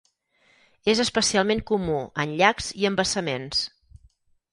És especialment comú en llacs i embassaments.